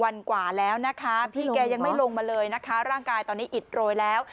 ยังไม่ลงมาเลยนะคะล่างกายตอนนี้หิดโรยแล้ว